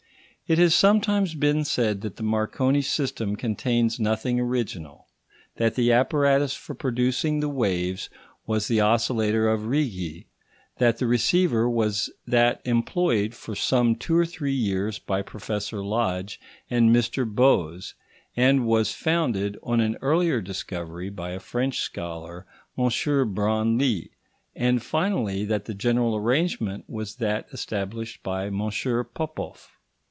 It has sometimes been said that the Marconi system contains nothing original; that the apparatus for producing the waves was the oscillator of Righi, that the receiver was that employed for some two or three years by Professor Lodge and Mr Bose, and was founded on an earlier discovery by a French scholar, M. Branly; and, finally, that the general arrangement was that established by M. Popoff.